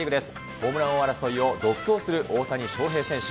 ホームラン王争いを独走する大谷翔平選手。